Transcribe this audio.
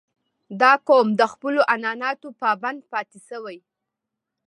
• دا قوم د خپلو عنعناتو پابند پاتې شوی.